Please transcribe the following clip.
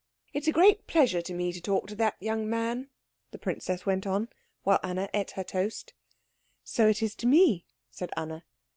It is a great pleasure to me to talk to that young man," the princess went on, while Anna ate her toast. "So it is to me," said Anna.